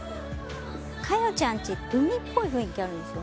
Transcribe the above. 佳代ちゃんち海っぽい雰囲気あるんですよ。